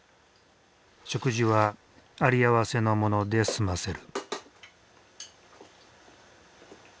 食事は有り合わせのもので済ませる。